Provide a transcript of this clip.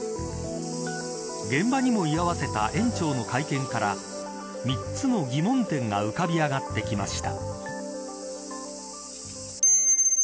現場にも居合わせた園長の会見から３つの疑問点が浮かび上がってきました。